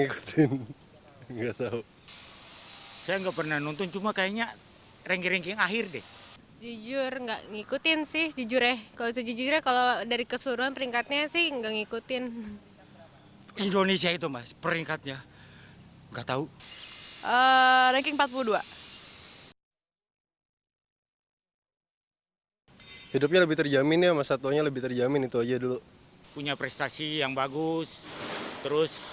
kita tanyakan komentar para masyarakat